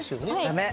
ダメ。